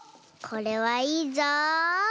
これはいいぞ。